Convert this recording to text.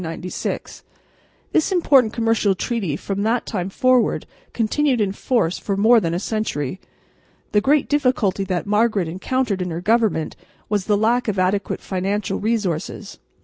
This important commercial treaty from that time forward continued in force for more than a century. The great difficulty that Margaret encountered in her government was the lack of adequate financial resources.